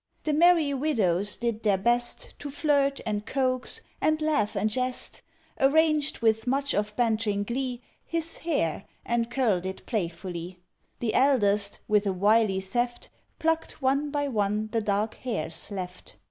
The merry widows did their best To flirt and coax, and laugh and jest; Arranged, with much of bantering glee, His hair, and curled it playfully. The eldest, with a wily theft, Plucked one by one the dark hairs left.